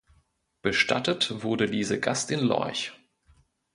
Bestattet wurde Lise Gast in Lorch.